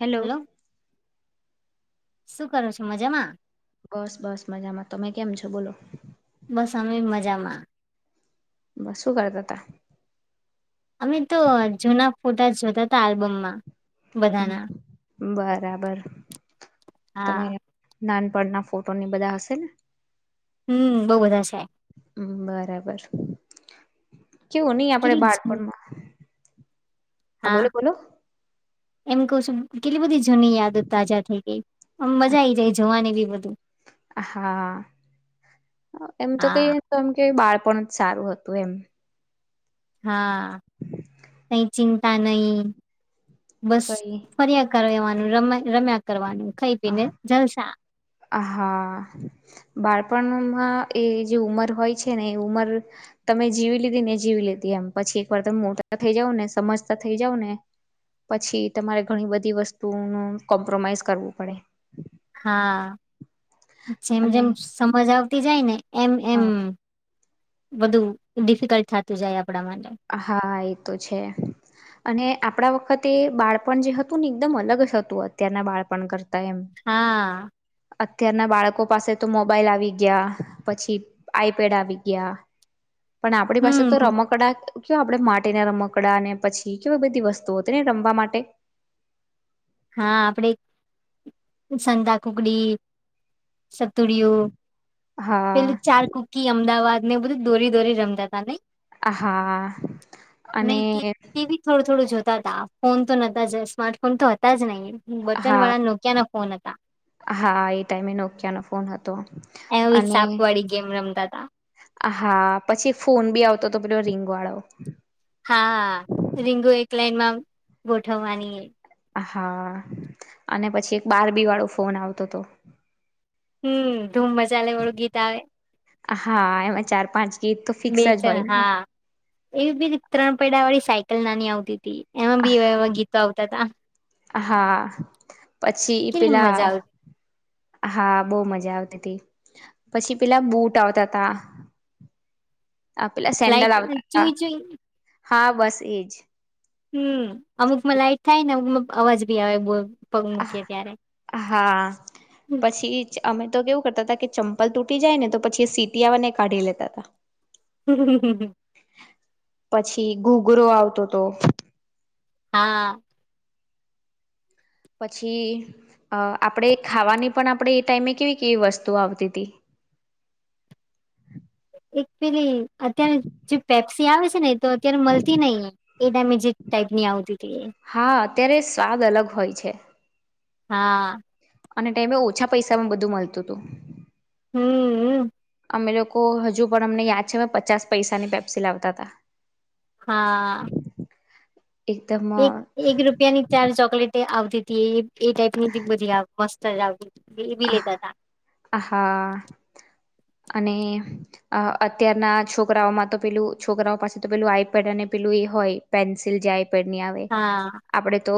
Hello hello શું કરો છો મજામાં બસ બસ મજામાં તમે કેમ છો બોલો બસ અમે મજામાં બસ શું કરતા હતા અમે તો જૂના ફોટા જોતા હતા આલ્બમમાં હ બધાના બરાબર હા તમારે નાનપણના ફોટોની બધા હશે ને હમ બહું બધા છે બરાબર કેવું નહી આપડે કેટલી જૂની, બાળપણમાં હા બોલો બોલો એમ કહું છું કેટલી બધી જૂની યાદ તાજા થઇ ગઈમ મજા આ આવી જાય જોવાની બી બધું હા એમ તો હા કઈ તો એમ કે બાળ પણ જ સારું હતું એમ હા કઈ ચિંતા નહી બસ કઈ ફર્યા કર એવાનું ર રમ્યા કરવાનું ખાઈ પીને જલસા હા બાળપણમાં એ જે ઉંમર હોય છે ને એ ઉંમર તમે જીવી લીધી ને જીવી લીધી એમ પછી એક વાર તમે મોટા થઇ જાવ ને સમજતા થઇ જાવ ને પછી તમારે ઘણી બધી વસ્તુનું કોમ્પ્રોમાઈઝ કરવું પડે હા જેમ અને જેમ સમજ આવતી જાય ને એમ એમ બધું ડિફિકલ્ટ થતું જાય આપ હા એ તો છે અને આપણા વખતે બાળપણ જે હતું ને એકદમ અલગ જ હતું અત્યારના બાળપણ કરતા એમ હા અત્યારના બાળકો પાસે તો મોબાઈલ આવી ગયા પછી આઈપેડ આવી ગયા [inaudible] પણ આપણી પાસે તો હમ રમકડા કે આપણે માટેટીના રમકડા ને પછી કે બધી વસ્તુઓ તેને રમવા માટે હા આપડે સંતા કુકડી સતુરિયો હા પેલ ચાર કુકી અમદાવાદ ને બધું દોરી દોરી રમતા ત નહ હા અને નહી તેવી થોડું થોડું જતું ફોન તો નહતા જ સ્માર્ટ ફોન તો હતા જ નહીિ બટન હા વાળા નોકિયા ના ફોન હતા હા એ ટાઈમે નોકિયાનોો ફોન હતો એવી અને સાપ વાળી ગેમ રમતા હતા હા પછી ફોન બી આવતો તો પેલો રીંગ વાળો ન માં ગોઠવવાની એ હા અને પછી એક બાર બી વાળો ફોન આવતો હતો હમ ધૂમ મજા લને વાળું ગીત આવે હા એમાં ચાર પાંચ ગીત તો ફિક્સ બે જ ચણ હોય ને હા એવી બી ત્રણ પૈડા વાળી સાયકલ નાની આવતી હતી એમાં બી એવા એવા ગીતો આવતા હતા હા પછી કેટલી પેલા મજા આવતી હા બહુ મજા આવતી હતીી પછી પેલા બુટ આવતા હતા પેલા સેન્ડલ લાઈટ આવતા હતા ચુઈ ચુઈ હા બસ એજ હમ અમુકમાં લાઈટ થાય ને અમુક અવાજ ભી આવે બ હા પછી અમે તો કેવું કરતા હતા કે ચંપલ તૂટી જાય ને તો પછી સીટી આવવાને કાઢી લેતા હતા હમ હ હમ હ પછી ગુગરો આવતો હતો હા પછી અ આપણેે ખાવાની પણ આપણે એ ટાઈમે કેવી કેવી વસ્તુ આવતી હતી [inaudible] એક પેલી અત્યારે જે પેપ્સી આવે છે ને તો અત્યારે મળતી નઈિ એ ડેમેજી ટ આવતી હતી એ હા અત્યારે સ્વાદ અલગ હોય છે હા અને ટાઈમે ઓછા પૈસામાં બધું મળતું હતું હમ અમે લોકો હજુ પણ અમને યાદ છે પચાસ પૈસાની પેપ્સી લાવતા હતા હા એકદમ એક એક રૂપિયાની ચાર ચોકલેટ આવતી હતી એ એ ટાઈપ ની બધી મસ્ત જ આવતી હતી એ બી અ લેતા હતા આહા અને અ અત્યારના છોકરાઓમાંતો પેલું છોકરાઓ પાસે તો પેલું આઈપેડ અને પેલું હોય પેન્સિલ જે આઇપેડની આવે હા આપડે તો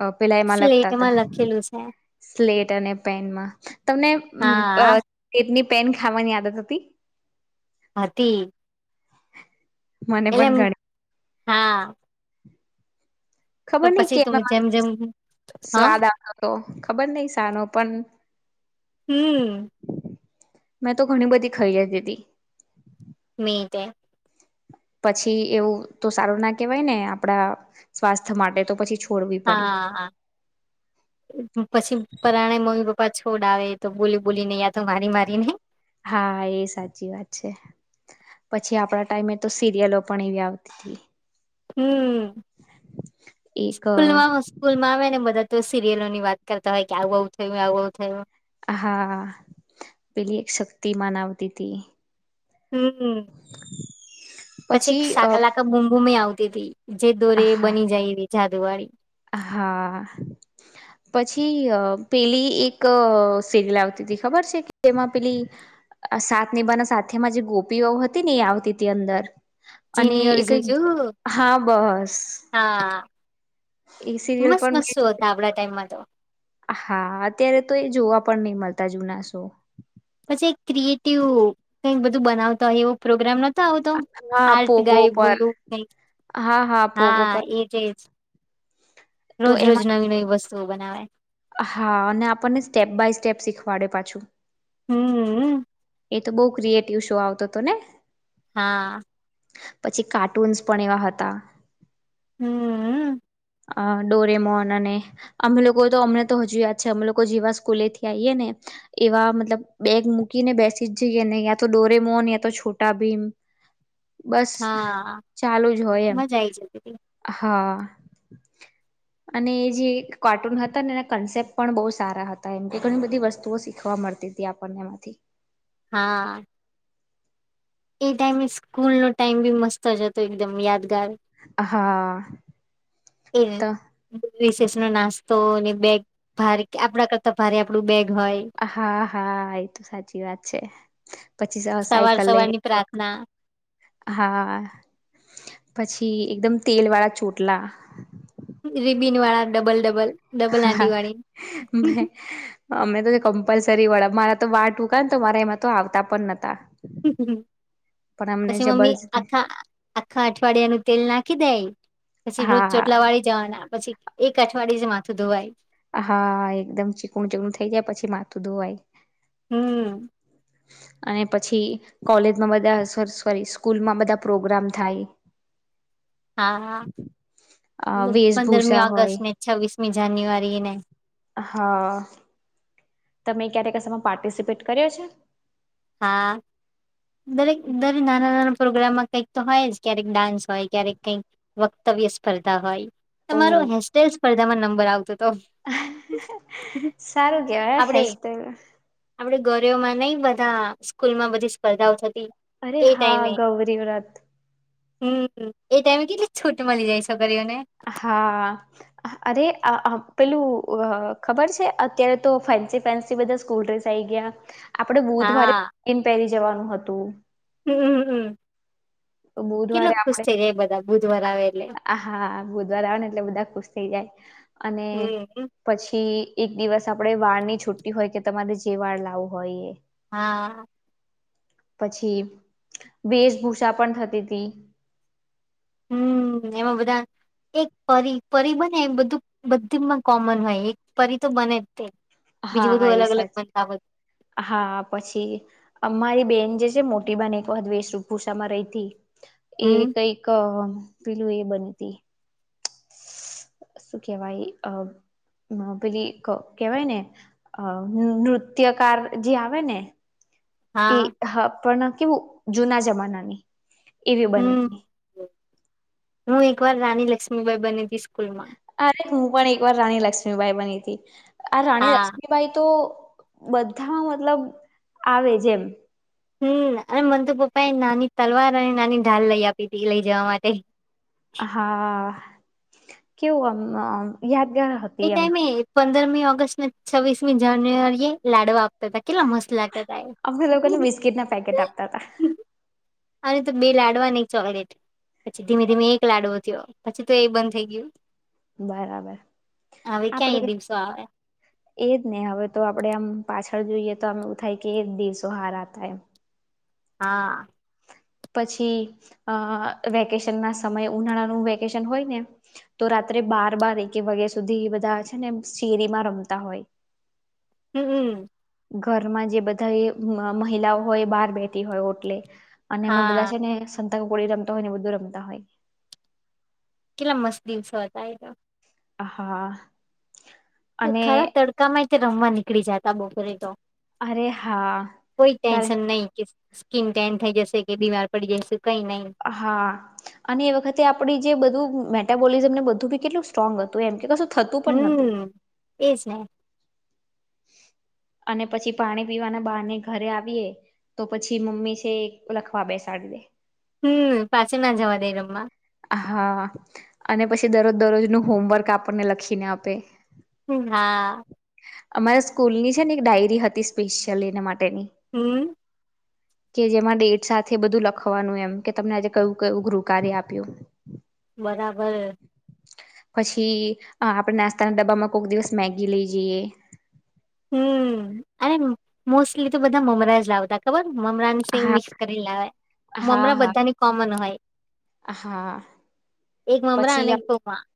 અ પેલા એમાં લખતા હતા સ્લેટમાં લખેલું છે સ્લેટ અને પેનમાં તમને હા સ્લેટની પેન ખાવાની આદત હતી હતિ મને પણ ઘણી હા પણ ખબર નઈ ક પછી તું જેમ [unintelligible] જેમ હા સ્વાદ આવતો હતો ખબર નહીં સાનો પણ હમ મેં તો ઘણી બધી ખાઇ જતિતી મેય તે પછી એવું તો સારું ના કહેવાય, ને આપડા સ્વાસ્થ્ય માટે તો પછી છો હા, હા પછી પરાણે મમ્મી પપ્પા છોડાવે તો બોલી બોલી ને યા તો મારી મારી ને હા, એ સાચી વાત છે પછી આપણા ટાઈમે તો સિરિયલો પણ એવી આવતી હતી, હમ્મ એક સ્કૂલમાં સ્કૂલમાં આવે ને બધા તો સિરિયલોની વાત કરતા હોય, કે આવું આવું થયું હોય, આવું આવું થયું હોય, હા, પેલી એક શક્તિમાન આવતીતી હમ્મ પછી એક સાાકાલાાકા બૂમબૂમએ આવતીતી જે અ દોરે હા બની જાય એવી જાદુવાડી હા, પછી પેલી અ એક સિરિયલ આવતી તી ખબર છે, કે એમાં પેલી અ સાથનિભાના સાથિયામાં જે ગોપીવહુ હતી ને એ આવતી હતી, અંદર અને જીનિયર એક જોજુ હા બસ હા એ સિરિયલ મસ્ત પણ [inaudible] મે મસ્ત શો હતા આપડા ટાઈમમાં તો હા અત્યારે તો એ જોવા પણ નહી મળતા જુના સો કંઈક ક્રિએટિવ બધું બનાવતા હોય એવો પ્રોગ્રામ નતો આવતો હા આર્ટગાય પોગો એવું પર કંઈક, હા હા, પોગો પર એજ એજ તો રોજ રોજ એમાં નવી નવી વસ્તુ તુઓ બનાવે હા, અને આપણને સ્ટેપ બાય સ્ટેપ શીખવાડે પાછું. હમ. એ તો બહુ ક્રિએટિવ શો આવતો હતો ને હા પછી કાર્ટૂન્સ પણ એવા હતા, હમ્મ અ ડોરેમોન અને અમે લોકો તો અમને તો હજુ યાદ છે, અમે લોકો જેવા સ્કૂલેથી આઈએને એવા મતલબ બેગ મૂકીને બેસ થી જ જઈએને યા તો ડોરેમોન યા તો છોટા ભીમ બસ હા ચાલુ જ હોય એમ મજા આઈ જતી હતી હા [inaudible] અને એ જે કાર્ટૂન હતા ને એના કન્સેપ્ટ પણ બહુ સારા હતા, એમ કે ઘણી બધી વસ્તુઓ શીખવા ખવા મળતી હતી આપણને એમાંથી હા એ ટાઈમે સ્કૂલ નો ટાઈમ બી મસ્ત જ હતો એકદમ યાદ હા તો [unintelligible] રિશેષ નો નાસ્તોને બેગ ભારે આપડા કરતા ભારે આપડું બેગ હોય. હા, હા એ તો સાચી વાત છે, પછી સવાર સાયકલ લઈ સવારની જ પ્રાર્થના હા, પછી એકદમ તેલવાળા ચોટલા રિબિન વાળા ડબલ ડબલ ડબલ હા આંટી વાળી મે અમે તો કમ્પલસરી વડાા મારા તો વાટ ટૂકા ને તો મારા એમાં તો આવતા પણ નતા, [unintelligible] પણ અમને પછી મમ્મી જબરજસ્ત આખા આખા અઠવાડિયાનું તેલ નાખી દે, પછી રોજ હા ચોટલા વાળી જવાના પછી એક અઠવાડયે જ માથું ધોવાય, હા, એકદમ ચીકણું ચીકણું થઈ જાય પછી માથું ધોવાય હમ્મ અને પછી કોલેજમાં બધા સોરી સ્કૂલમાં બધા પ્રોગ્રામ થાય, હા હા અ વેશભૂષા પંદરમી હોય ઓગસ્ટ ને છવ્વીસમી જાન્યુઆરી ને હા તમે ક્યારે કશમાં પાર્ટિસિપેટ કર્યો છે હા દરેક દરે નાના નાના પ્રોગ્રામમાં કંઈક તો હોય જ ક્યારેક ડાન્સ હોય ક્યારેક કંઈક વક્તવ્ય સ્પર્ધા હોય ઓ તમારો હેસ્ટાઈલ સ્પર્ધામાં નંબર આવતો હતો સારું કેવાય હેજું ગરયોમાં નહ બધા સ્કૂલ માં બધી સ્પર્ધાઓ થતી અરે એ હા ટાઈમે ગૌરી વ્રત હમ એ ટાઈમે કેટલી છૂટ મળી જાય શકો હા અરે આ પેલું ખબર છે અત્યારે તો ફેન્સી ફેન્સી બધા સ્કૂલ ડ્રેસ આઈ ગયા આપડે બુધવારે હા એઇમપેરી જવાનું હતું હમમમ કેટલો ખુશ થઇ ર એ બધા બુધવાર આવે એટલે હ હા બુધવાર આવે ને એટલે બધા ખુશ થઈ જાય અને હમ પછી એક દિવસ આપણે વાળ ની છુટ્ટી હોય કે તમારે જે વાળ લાવવું હોય એ હા પછી વેશભૂષા પણ થતી હતી હમ એમાં બધા એક પરી પરી બને બધું બધીમાં કોમન હોય એક પરી તો બને જ તે બીજું હા બધું એ અલગ અલગ સાચી બનતા બધું હા પછી અમારી બેન જે મોટી બાને એક વા વેશભૂષામાં રહી હતી એ હમ કઈક પેલું બની ત શું કેવાય અ પે કેવાય ને અ નૃત્યકાર જે આવે ને એ હા પણ કેવું જૂના જમાનાની એવી બની હમ હતી હું એક વાર રાની લક્ષ્મીબાઈ બનીતીશ અરે હું પણ એક વાર રાણી લક્ષ્મીબાઈ બની હતી આ રાણી હા લક્ષ્મીબાઈ તો બધામાં મતલબ આવે જેમ હમ અને મનંતુ પપ્પા એ નાની તલવાર અને નાની ઢાલ લઈ આપી હતી લઈ જવા માટે કેવુંમ એ ટાઈમે પંદરમી ઓગસ્ટને છવ્વીસમી જાન્યુઆરી એ લાડવા આપ કેટલા મસ્ત લાગતા ત અમે એ લોકોને બિસ્કીટના પેકેટ આપતા હતા અનેરે તો બે લાડવાની ચોકલેટ પછી ધીમે ધીમે એક લાડવો થયો પછી તો એ બંધ થઈ ગયું બરાબર હવે ક્યાં આપડ એ દિવસો આવે એજ ને હવે તો આપડે આમ પાછ જોઈએ તો અમે ઉ થાય કે એક દિવસો હાર આતા હા પછી અ વેકેશન ના સમયે ઉનાળાનું વેકેશન હોય ને તો રા રાત્રે બાર બાર એક વાગ્યા સુધી એ બધા છે ને શેરીમાં રમતા હોય હમ હમ ઘરમાં જે બધા એ મહિલાઓ હોય બહાર બેઠી હોય હોટલે અને એમાં બધા હા છે ને સંતાકો કોળી રમતા હોય ને બધું રમતા હોય કેટલા મસ્ત દિવસો હતાય હ હા અને ખરા તડકા માં તે રમવા નીકળી જતા બપોરે તો અરે હા કોઈ ટેન્શન નહીિ કે સ્કીિન ટેન થઈ જશે કે બીમાર પડી જશે હા અને એ વખતે આપડી જે બધું ોલીઝ નેધુંી કેટલ સ્ટ્રોંગ હતું એમ કે કું હમ એ છે અને પછી પાણી પીવાના બહાર ને ઘરે આવીએ તો પછી મમ્મી છે લખવા બેસાડી દે હમ પાછ ના જવા દે રમમાં હા અને પછી દરરોજ દરરોજ નું હોમવર્ક આપણને લખીને આપે હમ હા અમારા સ્કૂલની છે ને એક ડાયરી હતી સ્પેશિયલી એના માટેની હમમ કે જેમાં ડેટ સાથે બધું લખવાનું એમ કે તમને આજે કયું કવું ગૃહ કાર્ય આપ્યું બરાબર પછી આપણે નાસ્તાના ડબ્બામાં કોઈક દિવસ મેગી લઈ જઈએ હમ અને મોસ્ટલી તો બધા મમરાજ લાવતા ખબર મમરાનું શ હા મિક્સ કરી લેવાય હા મમરા હા બધાની કોમન હોય હા એક મમરા પછી અને તોમાં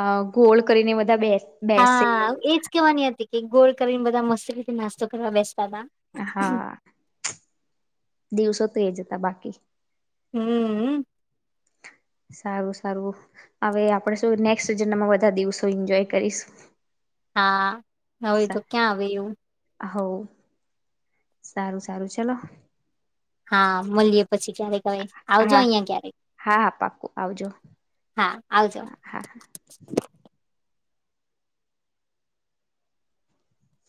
અ ગોળ કરીને બધા બેસ હા એજ કેવાની હતી કે ગોળ કરીને બધા મસ્ત રીતે નાસ્તો કરવા બેસ તદા હા દિવસો તો એ જ હતા બાકી હમ સારું સારું હવે આપણે શું નેક્સ્ટ જન્નામાં બધા દિવસો એન્જોય કરીશ હા હવે તો ક્યાં આવે એું હ સારું સારું ચલો હા મળીએ પછી ક્યારેક હવે આવજો હા હા અહિયાં ક્યારેક હા પાકું આવજો હા આવજો હા